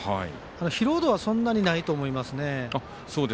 疲労度はそんなにないと思います。